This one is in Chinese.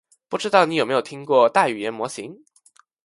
不知道你有没有听过大语言模型？